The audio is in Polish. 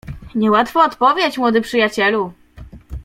"Nie łatwa odpowiedź, młody przyjacielu!"